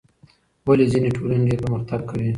ولې ځینې ټولنې ډېر پرمختګ کوي؟